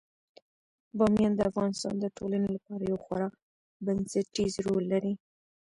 بامیان د افغانستان د ټولنې لپاره یو خورا بنسټيز رول لري.